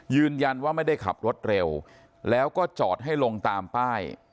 ยืนยันว่าไม่ได้ขับรถเร็วแล้วก็จอดให้ลงตามป้าย